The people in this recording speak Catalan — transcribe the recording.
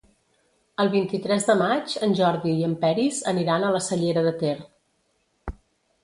El vint-i-tres de maig en Jordi i en Peris aniran a la Cellera de Ter.